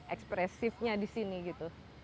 ekspresifnya di sini gitu